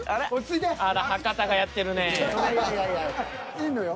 いいのよ。